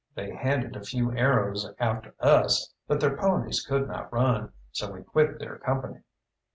They handed a few arrows after us; but their ponies could not run, so we quit their company.